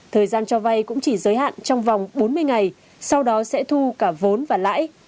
thời gian cho vay cũng chỉ giới hạn trong vòng bốn mươi ngày sau đó sẽ thu cả vốn và lãi